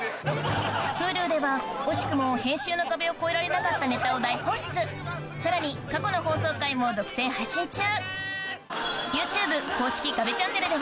Ｈｕｌｕでは惜しくも編集の壁を越えられなかったネタを大放出さらに過去の放送回も独占配信中ＴＯＦＵ